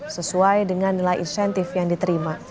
sesuai dengan nilai insentif yang diterima